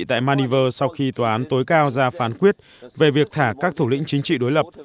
tại maldives sau khi tòa án tối cao ra phán quyết về việc thả các thủ lĩnh chính trị đối lập